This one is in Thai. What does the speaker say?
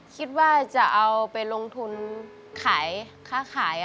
คิดว่าจะเอาไปลงทุนขายค้าขาย